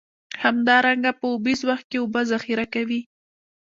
همدارنګه په اوبیز وخت کې اوبه ذخیره کوي.